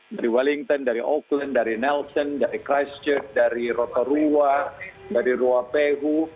dari wellington dari oakland dari nelson dari christchurch dari rotorua dari ruwapahu